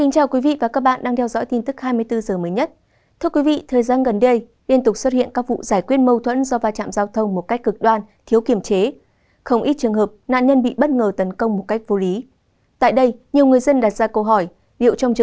các bạn hãy đăng ký kênh để ủng hộ kênh của chúng mình nhé